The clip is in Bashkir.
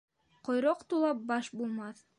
Ҡойроҡ тулап баш булмаҫ.